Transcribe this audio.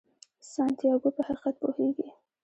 سانتیاګو په حقیقت پوهیږي.